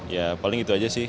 ya paling itu aja sih